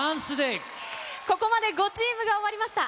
ここまで５チームが終わりました。